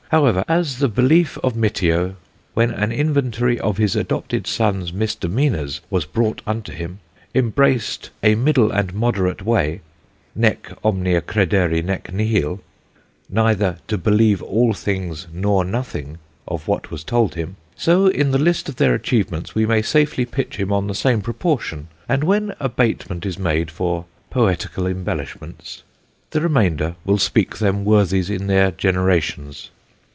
However, as the belief of Mitio (when an Inventory of his adopted Sons misdemeanours was brought unto him) embraced a middle and moderate way, nec omnia credere nec nihil, neither to believe all things nor nothing of what was told him: so in the list of their Atchievements we may safely pitch on the same proportion, and, when abatement is made for poeticall embelishments, the remainder will speak them Worthies in their generations."